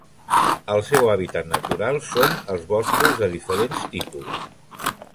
El seu hàbitat natural són els boscos de diferents tipus.